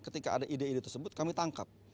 ketika ada ide ide tersebut kami tangkap